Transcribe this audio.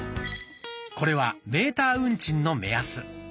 これはメーター運賃の目安。